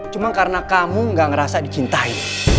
cuma karena kamu gak ngerasa dicintai